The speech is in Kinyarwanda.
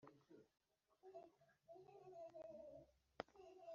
Dawidi abibwira Sawuli arabyishimira